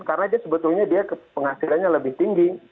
karena dia sebetulnya dia penghasilannya lebih tinggi